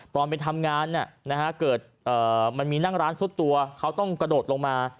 ตอนไปทำงานเกิดมันมีนั่งร้านซุดตัวเขาต้องกระโดดลงมา